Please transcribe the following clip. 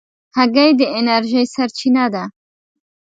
هګۍ د انرژۍ سرچینه ده.